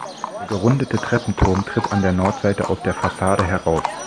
Der gerundete Treppenturm tritt an der Nordseite aus der Fassade heraus.